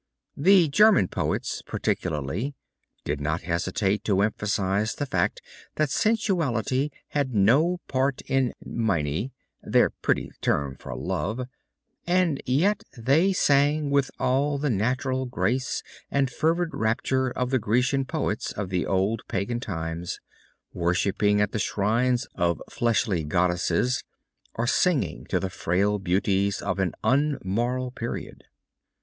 The German poets particularly did not hesitate to emphasize the fact that sensuality had no part in Minne their pretty term for love and yet they sang with all the natural grace and fervid rapture of the Grecian poets of the old pagan times, worshiping at the shrines of fleshly goddesses, or singing to the frail beauties of an unmoral period.